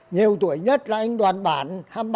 nhiều tuổi nhất là anh đoàn bản hai mươi ba